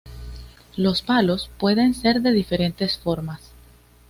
Los palos pueden ser de diferentes formas.